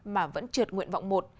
mà vẫn trượt nguyện vọng một